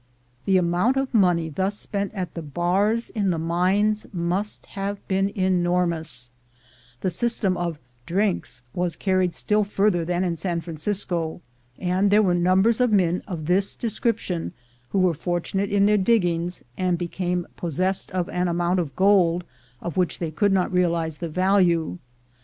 The amount of money thus spent at the bars in the mines must have been enormous; the system of "drinks" was carried still further than in San Fran cisco; and there were numbers of men of this de scription who were fortunate in their diggings, and became possessed of an amount of gold of which they could not realize the value.